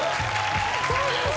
そうです。